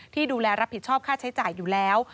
ที่ดูแลรับผิดชอบค่าใช้จ่ายอยู่แล้ว